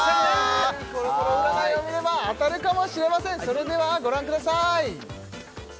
コロコロ占いを見れば当たるかもしれませんそれではご覧ください